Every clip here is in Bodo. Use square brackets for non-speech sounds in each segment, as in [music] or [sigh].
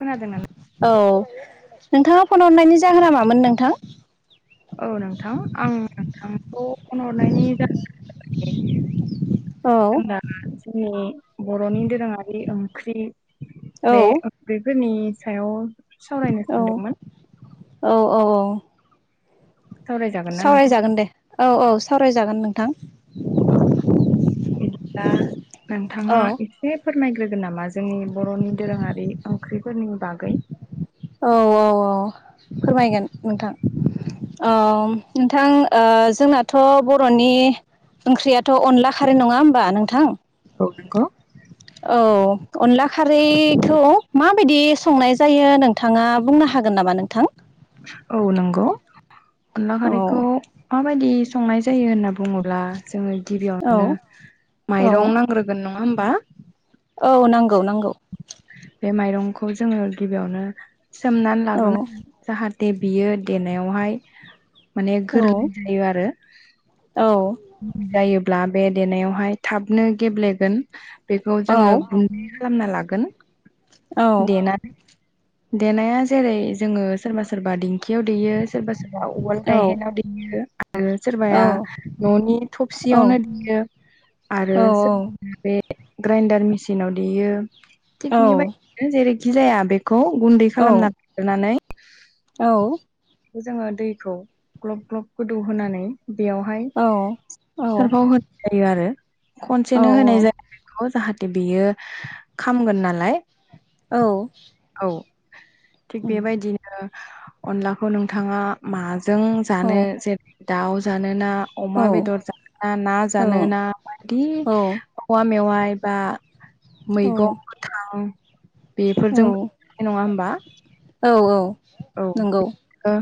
खोनादों ना औ नोंथाङा फन हरनायनि जाहोना मामोन नोंथां? औ नोंथां आं नोंथांखौ फन हरनायनि जाहोनानो जाबाय। औ आं दा जोंनि बर'नि दोरोङारि ओ ओंख्रि औ बे ओंख्रिफोरनि सायाव सावरायनो औ सानदोंमोन। औ औ औ। सावरायजागोन ना नोंथां सावरायजागोन दे औ औ सावरायजागोन नोंथां। औ बिदिब्ला औ नोंथाङा एसे फोरमायग्रोगोन नामा? जोंनि बर'नि दोरोङारि ओंख्रिफोरनि बागै? औ औ औ फोरमायगोन नोंथां। ओम नोंथां ओ- जोंनाथ' बर'नि ओंख्रियाथ' अनला खारै नङा होमबा नोंथां? औ नोंगौ औ अनला खारैखौ माबायदि संनाय जायो नों? थाङा बुंनो हागोन नामा नोंथां? औ नंगौ अनला औ खारैखौ माबायदि संनाय जायो होनना बुङोब्ला जोङो। औ गिबियावनो औ माइरं नांग्रोगोन नङा होमबा? औ नंगौ नंगौ। बे माइरंखौ जोङो गिबियावनो सोमनानै औ लाग्रोनांगोन जाहाथे दे बियो देनायावहाय माने औ गोरलै जायो आरो। औ जायोब्ला बे देनायावहाय थाबनो गेब्लेगोन। बेखौ औ जोङो गुन्दै खालामना लागोन औ देनानै। देनाया जेरै जोङो सोरबा सोरबा दिं खियाव दैयो सोरबा सोरबा उवाल औ गायहेनाव दैयो। आरो सोरबाया न'नि थबसियावनो देयो आरो [unintelligible] ग्राइन्डार मेसिनाव देयो थिग बेबाय जेरैखि जाया बेखौ गुन्दै खालामना लाग्रोनानै। औ जोङो दैखौ ग्लब ग्लब गोदौ होनोनानै। बेयावहाय होनाय जायो आरो खनसेनो होनाय जाया। जाहाथे बेयो खामगोन नालाय। औ थिग बेबायदिनो - अनलाखौ नोंथाङा माजों जानो जेरै दाउ जानोना अमा बेदर जानोना, ना जानोना, बिदि औवा मेवाय बा मैगं गोथां औ बेफोरजोंबो जाजायो नङा होमबा? औ औ। औ नंगौ बि [inaudible] नो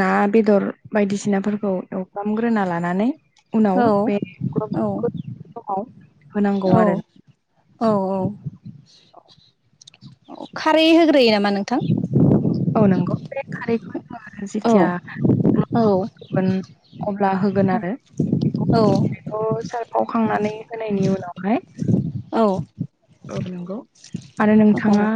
ना बेदर बायदिसिनाफोरखौ एवफ्रामग्रोना लानानै औ उनाव बे [inaudible] औ समाव होनांगौ औ आरो। औ औ। खारै होग्रोयो नामा नोंथां? औ नंगौ बे खारैखौ औ जेथिया ग्लब औ ग्लब गोदौगोन अब्ला होगोन आरो। बेखौ' सारफावखांनानै होनायनि उनावहाय औ औ नंगौ आरो नोंथाङा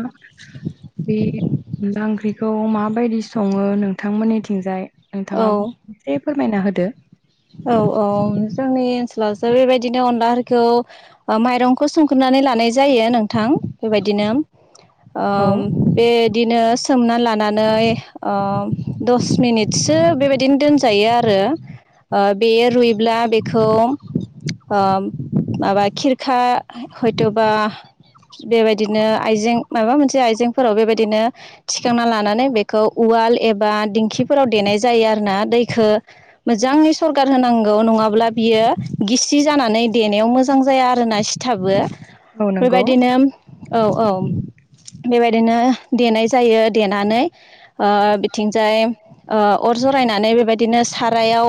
बे अनला ओंख्रिखौ माबायदि सङो नोंथांमोननिथिंजाय नोंथाङा एसे फोरमायना होदो। अब्ला जों बेबायदिनो अनलाफोरखौ माइरंखौ सौखनानै लानाय जायो नोंथां। बेबायदि नो औ ओ बे दिनो सोमना लानानै दस मिनिटसो बेबायदिनो दोनजायो आरो। बेयो रुइब्ला बेखौ ओ माबा खिरखा ह-हयथ'बा बेबायदिनो आइजें मायबा मोनसे आइजेंफोराव बेबायदिनो थिखांना लानानै बेखौ उवा उवाल एबा दिंकिफोराव देनाय जायो आरोना दैखो मोजाङै स सरगार होनांगौ। नङाब्ला बियो गिसि जानानै देनायाव मोजां जाया आरोना सिथाबो। औ नंगौ बेबायदिनो औ औ। बेबायदिनो देनाय जायो देनानै औ बिथिंजाय ओ अर जरायनानै बेबायदिनो सारायाव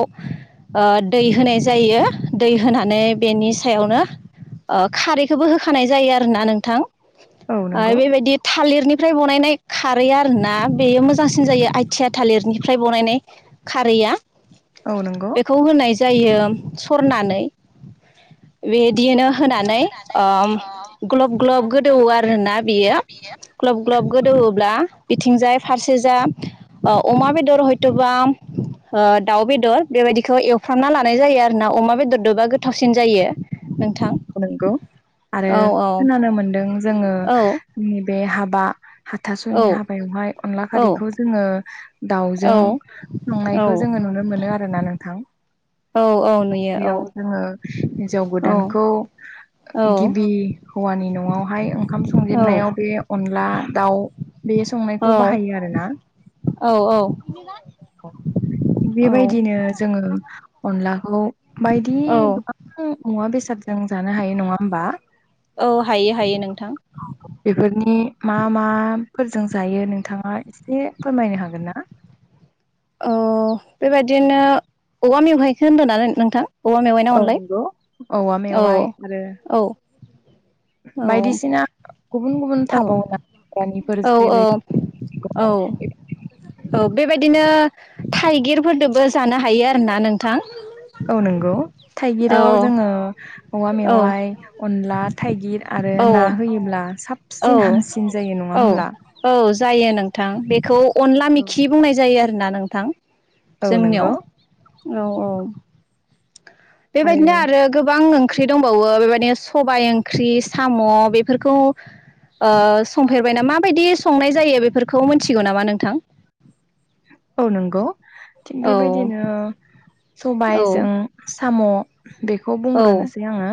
ओ दै होनाय जायो। दै होनानै बेनि सायावनो ओ खारैखोबो होखानाय जायो आरोना नोंथां। औ ओइ नंगौ बेबायदि थालिरनिफ्राय बनायनाय खारैया आरोना बेयो मोजांसिन जायो आइथिया थालिरनिफ्राय बनायनाय खारैया। औ नंगौ बेखौ होनाय जायो सरनानै। बे दिनो होनानै ओ ग्लब ग्लब गोदौओ आरोना बेयो। ग्लब ग्लब गोदौवोब्ला बिथिंजाय फारसेजा अमा बेदर हयथ'बा दाउ बेदर बेबायदिखौ एवफ्रामना लानाय जायो आरोना। अमा बेदरदोबा गोथावसिन जायो नोंथां नंगौ आरो औ खोनानो मोनदों जोङो औ [inaudible] नि बे हाबा हाथासुनि औ हाबायावहाय अनला औ खारैखौ जोङो दाउजों औ संनायखौ जोङो नुनो मोनो आरोना नोंथां। औ औ नुयो औ बेयाव औ। खौ औ गिबि हौवानि न'आवहाय ओंखाम औ संजेननायाव बे अनला दाउ बे संनायखौ बाहायो आरोना। औ बेबायदिनो जोङो अनलाखौ बायदि औ गोबां मुवा बेसाद औ हायो हायो नोंथां। बेफोरनि मा माफोरजों जायो नोंथाङा एसे फोरमायनो हागोन ना? अह बेबायदिनो औवा मेवहायखो होनदोना नो-नोंथां? औवा मेवाइ ना औ अनलाय नंगौ औवा औ मेवाइ आरो औ। औ बायदिसिना गुबुन गुबुन औ थाबावनो हाग्रानिफोर औ जेरै औ औ। बेबायदिनो थाइगिरफोरदोबो जानो हायो आरोना नोंथां। औ नंगौ औ थाइगिराव जोङो औवा मेवाइ अनला थाइगिर आरो औ ना होयोब्ला साब औ सिन हामसिन जायो नङा औ होमब्ला औ जायो नोंथां बेखौ अनला मिखि बुंनाय जायो आरोना नोंथां औ जोंनियाव नंगौ औ औ बेबायदिनो आरो गोबां ओं ख्रि दंबावो बेबायदिनो सबाय ओंख्रि साम बेफोरखौ ओ संफेरबायना माबायदि संनाय जायो बेफोरखौ मिथिगौ नामा नोंथां औ नंगौ थिग औ बेबायदिनो औ सबायजों साम' बेखौ औ बुंग्रोनोसै आङो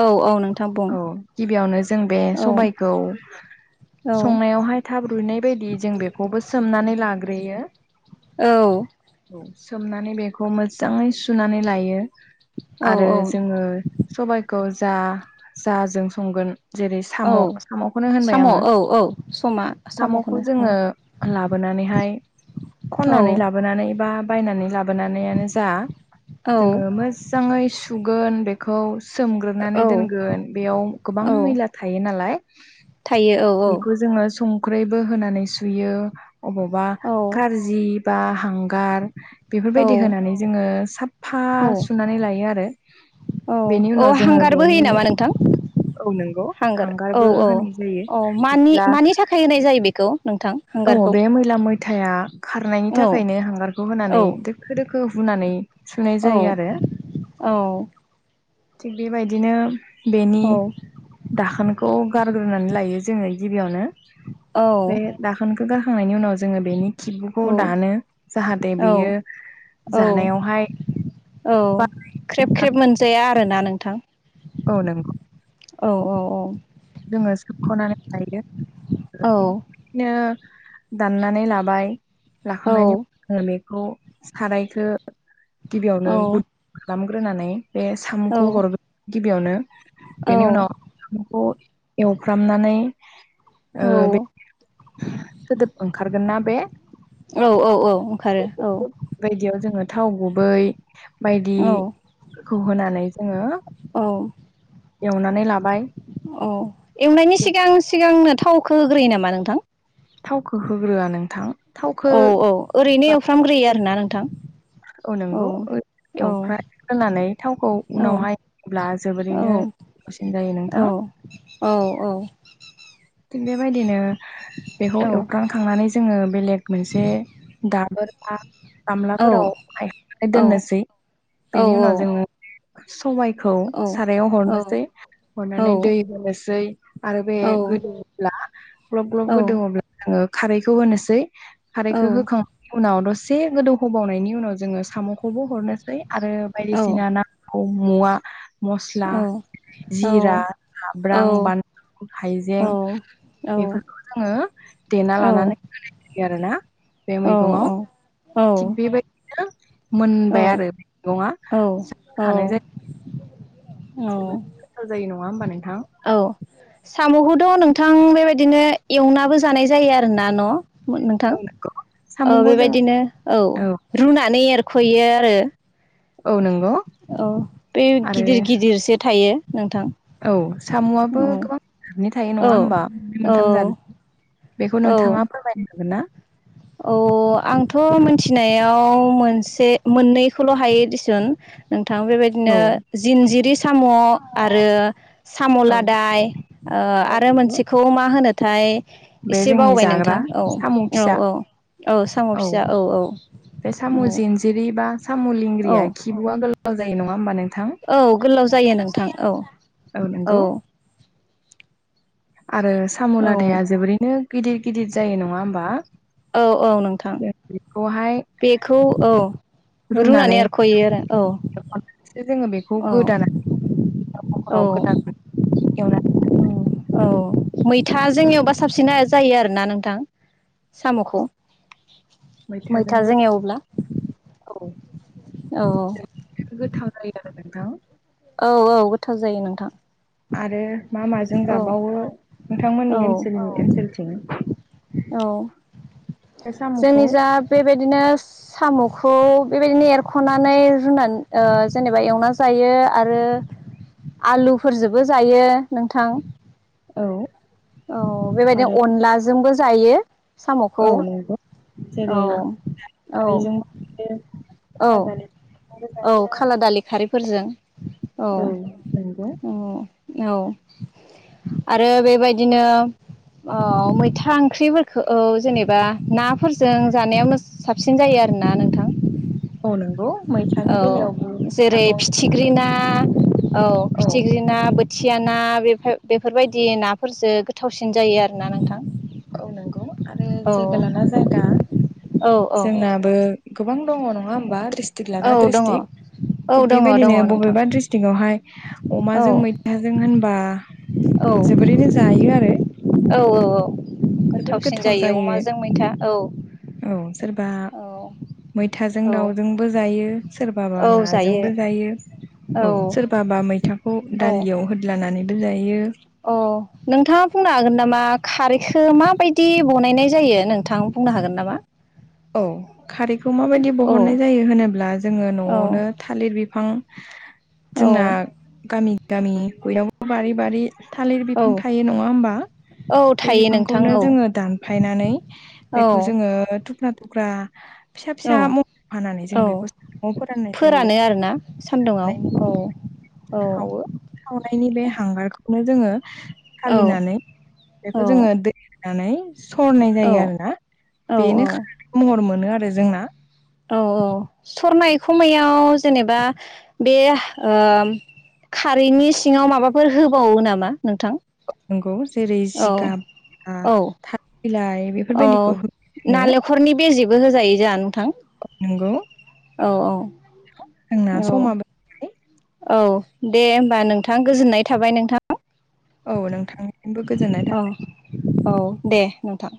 औ औ नों औ गिबियावनो जों बे सबायखौ औ संनायावहाय थाब रुनाय बायदि जों बेखौबो सोमनानै लाग्रोयो औ औ सोमनानै बेखौ मोजाङै सुनानै लायो औ आरो औ जोङो सबायखौ जा जाजों संगोन जेरै साम औ साम'खौनो होनबाय साम' आङो औ औ समा सामखौ साम'खौनो जोङो लाबोना नानैहाय औ खननानै लाबोनानै बा बायनानै लाबोनानैयानो जा औ जोङो मोजाङै सु गोन बेखौ सोमग्रोनानै औ दोनगोन बेयाव गोबां औ मैला थायो नालाय थायो औ बेखौ जोङो संख्रैबो होनानै सुयो अबावबा औ कारजि बा हांगार औ बेफोरबायदि होनानै जोङो साफफा औ सुनानै लायो आरो औ बेनि औ उनाव जोङो हांगारबो होयो बेनि नामा नोंथां औ नंगौ हांगार औ हांगारबो औ होनाय जायो औ मानि फदिब्ला मानि थाखाय होनाय जायो बेखौ नोंथां औ हांगारखौ बे मैला मैथाया खारनायनि औ थाखायनो हांगारखौ औ होनानै दोखो दोखो हुनानै सुनाय जायो आरो औ थिग बेबायदिनो बेनि दाखोनखौ गारग्रोनानै लायो जोङो गिबियावनो औ बे दाखोनखौ गारखांनायनि उनाव जोङो बेनि खिबुखौ औ दानो जाहाथे औ बेयो औ जानायावहाय औ बा ख्रेब ओंखाम ख्रेब मोनजाया आरोना नोंथां औ नांगौ औ औ औ जोङो सोबख'नानै लायो औ बिदिनो दाननानै लाबाय औ लाखांनायनि उन बे खौ सारायखौ गिबियावनो औ गुद खालामग्रोनानै बे औ साम'खौ हरग गिबियावनो औ बेनि उनाव [unintelligible] एवफ्रामनानै औ ओ बे सोदोब ओंखारगोन ना बे औ औ औ ओंखारो औ बायदियाव जोङो थाव गुबै औ बायदिफोरखौ होनानै जोङो औ एवनानै लाबाय औ एवनायनि सिगां सिगांनो थावखौ होग्रोयो नामा नोंथां थावखौ होग्रोआ नोंथां थावखौ औ औ ओरैनो एवफ्रामग्रोयो आरोना नोंथां औ नंगौ औ एवफ्राम होनानै थावखौ औ उनावहाय होब्ला औ जोबोरैनो दसेनो जायो औ नोंथां औ औ थिग बेबायदिनो बेखौ औ एवफ्रामखांनानै जोङो बेलेग मोनसे दाबोर बा गामला फोराव हायखांनानै दोननोसै औ बेनि उनाव जोङो सबायखौ सारायाव हरनोसै हरनानै दै होनोसै आरो बे गोदौवोब्ला ग्लब ग्लब औ गोदौवोब्ला जोङो खारैखौ होनोसै खारैखौ औ होखांनायनि उनाव दसे गोदौ होबावनायनि उनाव जोङो साम'खौबो हरनोसै। आरो औ बायदिसिना नांगौ मुवा मस्ला जिरा जाब्रां बानलु हाइजें बेफोरखौ जोङो देना लानानै होनाय जायो आरोना। बे औ मैगङाव औ औ। थिग बेबायदिनो मोनबाय आरो मैगङा थानाय जाय उम्म नंङा होनबा नोंथां? औ साम'खौथ' नोंथां बेबायदिनो एवनाबो जानाय जायो आरोना न'? नोंथां औ नंगौ औ साम'खौ जों बेबायदिनो औ रुनानै एर खुयो आरो औ नों औ बे गिदिर गिदिरसो थायो। नोंथां औ औ साम'आबो गोबांनि रोखोमनि थायो औ नङा होमबा औ मोनथाम जादनि बेखौ औ नोंथाङा फोरमायनो हागोन ना? औ आंथ' मिथिनायाव मोनसे मोननै खौल' हायो दिसुन थां बेबायदिनो औ जिनजिरि साम' आरो साम' औ लादाय ओ औ आरो नंगौ मोनसेखौ मा होनोथाय? बे एसे जोंनि बावबाय जाग्रा नोंथां औ साम' औ फिसा औ औ साम' फिसा औ औ। बे साम' औ जिन्जिरि बा साम' औ लेंंग्रिया खिबुआ गोलाव जायो नङा होमबा नों औ गोलाव जायो नोंथां औ औ। आरो औ साम'लादाया जोबोरैनो गिदिर गिदिर जायो नङा होमबा? औ औ नोंथां जों बेखौहाय बेखौ औ। रुनानै रुनानैसो एरख'यो आरो जोङो बेखौ औ औ। गोदानानै औ [unintelligible] एवनानै औ मैथाजों एवबा साबसिन जायो आरोना नोंथां साम'खौ। मैथाजोंबो मैथाजों एवब्ला औ औ गोथाव जायो आरो नोंथां। औ औ गोथाव जायो नोंथां। आरो मा माजों औ जाबावो औ नोंथांमोननि ओसोलनि ओनसोलथिं? औ बे साम'खौ जोंनि जा बेबायदिनो साम'खौ बेबायदिनो एरख'नानै रुनानै जेनेबा एवना जायो। आरो आलुफोरजोंबो जायो नोंथां। औ। औ बेबायदिनो आरो अनलाजोंबो जायो। साम'खौ औ नंगौ जेरै औ औ। खारैजों खाला औ दालि औ खाला दालि खारै फोरजों औ औ औ। आरो बेबायदिनो ओ मैथा ओंख्रिफोरखौ जेनेबा नाफोरजों जानाया साबसिन जायो आरोना नोंथां। औ नंगौ। मैथानि बेलायावबो औ जेरै मैथाखौ फिथिख्रि ना औ औ फिथिख्रि ना बोथिया ना बेफो बेफोरबायदि नाफोरजों गोथावसिन जायो आरोना नोंथां। औ नंगौ आरो औ जायगा लाना जायगा औ औ जोंनाबो गोबां दङ नङा होमबा ड्रिस्ट्रिक लाना औ दङ ड्रिस्ट्रिक्ट औ थिग दङ दङ बेबायदिनो नोंथां बबेबा ड्रिस्ट्रिकआवहाय औ अमाजों मैथाजों होनबा जोबोरैनो जायो आरो। औव औव औव जोबोर गोथावसिन गोथाव जायो अमाजों मैथा औव। औ सोरबा मैथाजों दाउजोंबो जायो सोरबाबा नाजोंबो जायो। औव औ सोरबाबा मैथाखौ औ दालियाव होद्लानानैबो जायो। अ नोंथाङा बुंनो हागोन नामा। खारैखो माबायदि बनायनाय जायो नोंथां बुंनो हागोन नामा। औव खारैखौ माबायदि औ बहननाय जायो होनोब्ला जोङो औ न'आवनो थालिर बिफां बिफां जोंना औ गामि गामि बयनावबो बारि बारि थालिर बिफां औ थायो नङा होमबा। औ बे थायो नोंथां बिफांखौनो औ जोङो दानफायनानै औ बेखौ जोङो टुक्रा टुक्रा फिसा औ फिसा मम' फानानै जों औ बेखौ नआव फोराननाय जायो फोरानो आरोना [unintelligible] सान्दुङाव नायनि औ औ सावो सावनायनि बे हांगारखौनो जोङो औ सालिनानै औ बेखौ जोङो दै होनानै सरनाय औ जायो आरो ना औ बेनो खारै महर मोनो आरो जोंना। औव औव सरनाय खमायाव जेनेबा बे ओ खारैनि सिङाव माबाफोर होबावो नामा नोंथां। नंगौ। जेरै औ जिगाबा ओ औ थालिर बिलाइ बेफोरबायदिखौ होयो जोङो। बेबो होजायो नोंथां। नंगौ। औव औव, जोंना समाबो जाबाय। औव दे होमबा नोंथां गोजोननाय थाबाय नोंथां। औव नोंथांनिसिमबो गोजोननाय औ थाबाय। औ दे नोंथां‌।